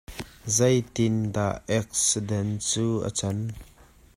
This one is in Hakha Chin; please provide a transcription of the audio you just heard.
Zei tiin dah eksidenh cu a cang?